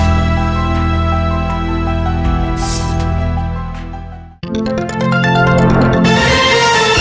จะได้โบนัสกลับไปบ้านเท่าไร